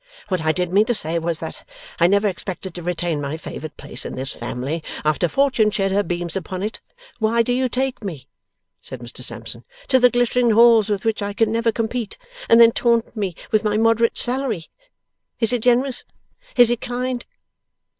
What I did mean to say, was, that I never expected to retain my favoured place in this family, after Fortune shed her beams upon it. Why do you take me,' said Mr Sampson, 'to the glittering halls with which I can never compete, and then taunt me with my moderate salary? Is it generous? Is it kind?